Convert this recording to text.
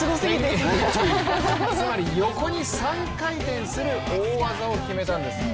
１０８０、つまり横に３回転する大技を決めたんです。